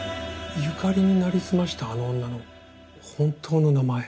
由香里になりすましたあの女の本当の名前。